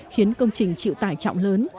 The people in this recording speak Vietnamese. khiến công trình chịu tài trọng lớn